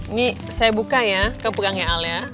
ini saya buka ya ke pegangnya al ya